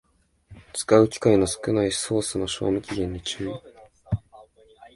使う機会の少ないソースの賞味期限に注意